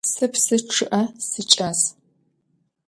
Сэ псы чъыӏэ сикӏас.